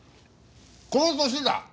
この歳だ！